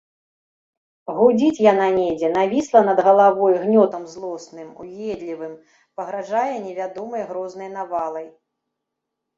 Гудзіць яна недзе, навісла над галавой гнётам злосным, уедлівым, пагражае невядомай, грознай навалай.